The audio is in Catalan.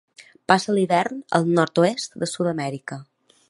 Passa l'hivern al nord-oest de Sud-amèrica.